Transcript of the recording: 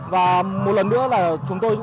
và một lần nữa là chúng tôi